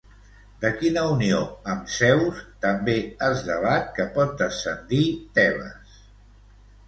De quina unió amb Zeus també es debat que pot descendir Tebes?